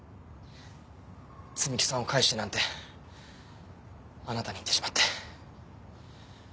摘木さんを返してなんてあなたに言ってしまって。